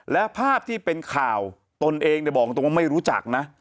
และภาพที่เป็นข่าวตนเองบอกตรงว่าไม่รู้จักนะ